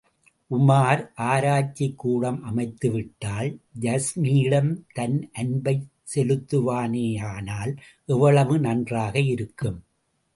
உமார் ஆராய்ச்சிக்கூடம் அமைத்துவிட்டால், யாஸ்மியிடம் தன் அன்பைச் செலுத்துவானேயானால் எவ்வளவு நன்றாக இருக்கும்.